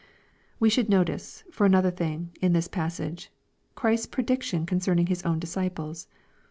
We should notice, for another thing, in this passage, Christ's prediction concerning His own disciples.